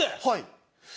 はい。